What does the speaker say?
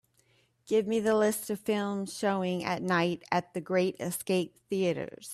Give me the list of films showing at night at Great Escape Theatres.